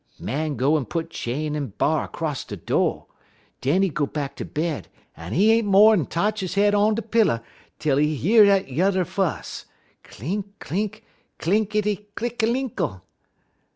Man go en put chain en bar 'cross de do'. Den he go back to bed, en he ain't mo'n totch his head on de piller tel he year de yuther fuss _clink, clink, clinkity, clinkalinkle!